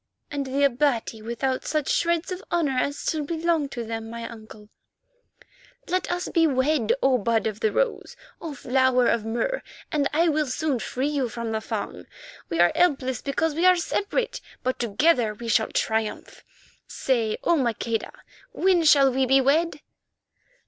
"And the Abati without such shreds of honour as still belong to them, my uncle." "Let us be wed, O Bud of the Rose, O Flower of Mur, and soon I will free you from the Fung. We are helpless because we are separate, but together we shall triumph. Say, O Maqueda, when shall we be wed?"